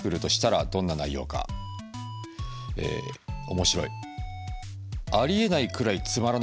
面白い。